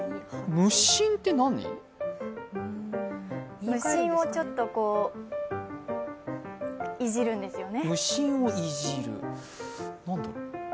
無心をちょっといじるんですよね。